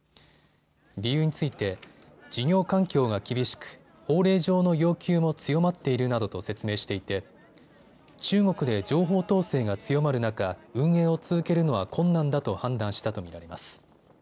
理由について事業環境が厳しく、法令上の要求も強まっているなどと説明していて中国で情報統制が強まる中、運営を続けるのは困難だと判断したと見られます。